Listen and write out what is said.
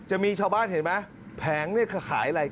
จะมีชาวบ้านเห็นไหมแผงนี่คือขายอะไร